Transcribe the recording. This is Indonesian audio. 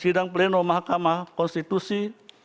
sidang pleno mahkamah konstitusi